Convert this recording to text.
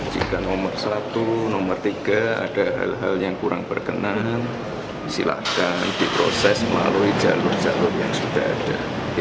jika nomor satu nomor tiga ada hal hal yang kurang berkenan silahkan diproses melalui jalur jalur yang sudah ada